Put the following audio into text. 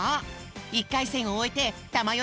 １かいせんをおえてたまよ